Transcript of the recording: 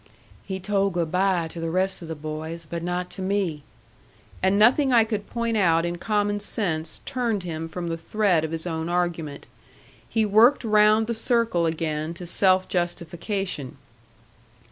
"He told good by to the rest of the boys; but not to me." And nothing that I could point out in common sense turned him from the thread of his own argument. He worked round the circle again to self justification.